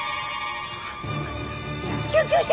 救急車！